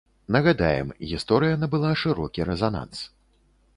Нагадаем, гісторыя набыла шырокі рэзананс.